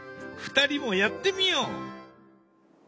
２人もやってみよう。